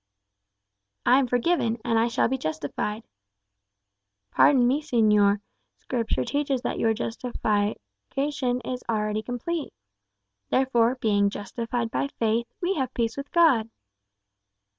"I am forgiven, and I shall be justified." "Pardon me, señor; Scripture teaches that your justification is already complete. Therefore, being justified by faith, we have peace with God."